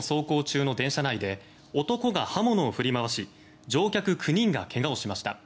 東京・世田谷区を走行中の電車内で男が刃物を振り回し乗客９人がけがをしました。